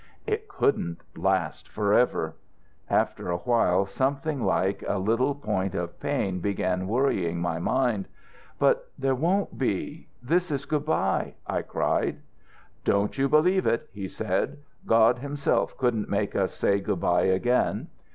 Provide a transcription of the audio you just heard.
"It couldn't last forever. After a while something like a little point of pain began worrying my mind. "'But there won't be.... This is good bye,' I cried. "'Don't you believe it,' he said. 'God Himself couldn't make us say good bye again.'